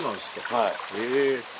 はい。